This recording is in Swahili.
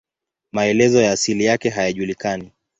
Maelezo ya asili yake hayajulikani.